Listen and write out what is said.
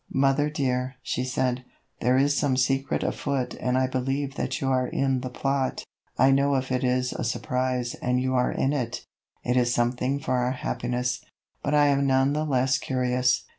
"Mother dear," she said, "there is some secret afoot and I believe that you are in the plot. I know if it is a surprise and you are in it, it is something for our happiness, but I am none the less curious."